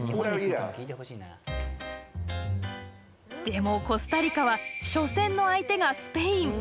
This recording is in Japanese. でも、コスタリカは初戦の相手がスペイン。